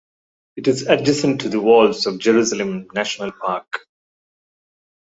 It is adjacent to the Walls of Jerusalem National Park.